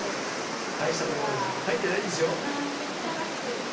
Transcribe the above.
大したもの入ってないんですよ。